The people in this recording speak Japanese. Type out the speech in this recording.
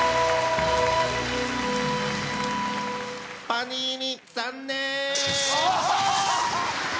パニーニ残念！わ！